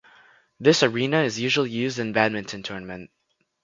This arena is usually used in badminton tournament.